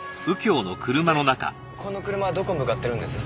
でこの車はどこに向かってるんです？